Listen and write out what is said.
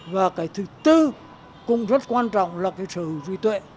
và cái thứ tư cũng rất quan trọng là cái sở hữu trí tuệ